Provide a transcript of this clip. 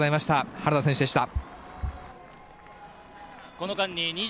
原田選手でした。